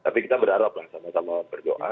tapi kita berharap lah sama sama berdoa